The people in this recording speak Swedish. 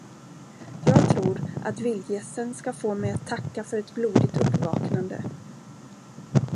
Jag tror, att vildgässen ska få mig att tacka för ett blodigt uppvaknande.